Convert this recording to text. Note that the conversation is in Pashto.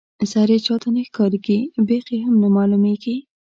سر یې چاته نه ښکاريږي بېخ یې هم نه معلومیږي.